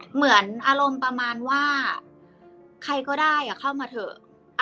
เหมือนอารมณ์ประมาณว่าใครก็ได้เข้ามาเถอะ